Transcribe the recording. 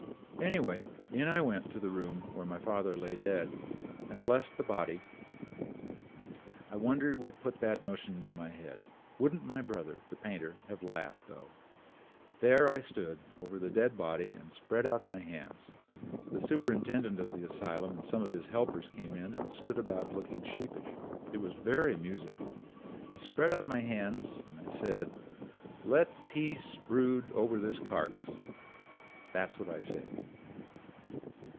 "Anyway, in I went to the room where my father lay dead and blessed the dead body. I wonder what put that notion into my head. Wouldn't my brother, the painter, have laughed, though. There I stood over the dead body and spread out my hands. The superintendent of the asylum and some of his helpers came in and stood about looking sheepish. It was very amusing. I spread out my hands and said, 'Let peace brood over this carcass.' That's what I said."